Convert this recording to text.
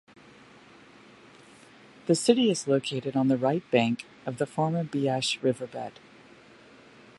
The city is located on the right bank of the former Beas River bed.